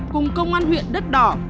cùng công an huyện đất đỏ